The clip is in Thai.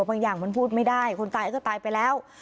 บางอย่างมันพูดไม่ได้คนตายก็ตายไปแล้ว